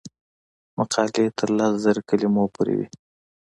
مقالې تر لس زره کلمو پورې وي.